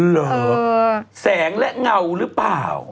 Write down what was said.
เหรอแสงและเงาหรือเปล่า